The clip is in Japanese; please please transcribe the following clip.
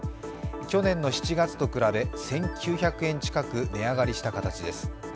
去年の７月と比べ、１９００円近く値上がりした形です。